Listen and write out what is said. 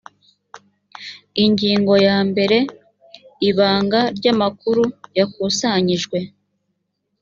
ingingo ya mbere ibanga ry amakuru yakusanyijwe